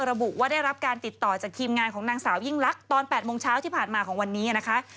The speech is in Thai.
ระบุว่าได้รับการติดต่อจากทีมงานของนางสาวยิ่งลักษณ์ตอน๘โมงเช้าที่ผ่านมาของวันนี้นะคะ